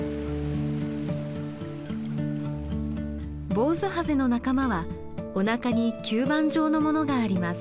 ボウズハゼの仲間はおなかに吸盤状のものがあります。